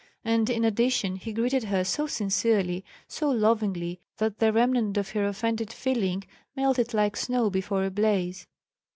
And in addition he greeted her so sincerely, so lovingly that the remnant of her offended feeling melted like snow before a blaze.